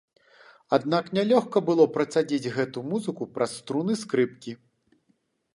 Аднак нялёгка было працадзіць гэту музыку праз струны скрыпкі.